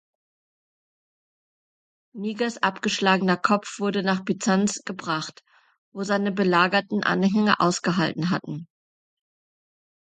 Nigers abgeschlagener Kopf wurde nach Byzanz gebracht, wo seine belagerten Anhänger ausgehalten hatten.